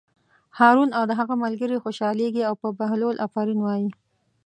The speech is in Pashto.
هارون او د هغه ملګري خوشحالېږي او په بهلول آفرین وایي.